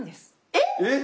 えっ